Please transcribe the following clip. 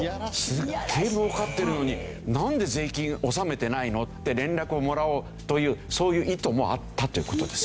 「すっげえ儲かってるのになんで税金納めてないの？」って連絡をもらおうというそういう意図もあったという事です。